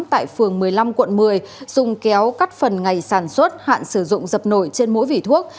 tại phường một mươi năm quận một mươi dùng kéo cắt phần ngày sản xuất hạn sử dụng dập nổi trên mỗi vỉ thuốc